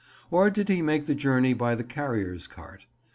Or did he make the journey by the carrier's cart?